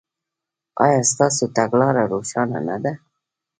ایا ستاسو تګلاره روښانه نه ده؟